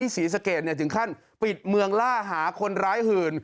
ศรีสะเกดถึงขั้นปิดเมืองล่าหาคนร้ายหื่น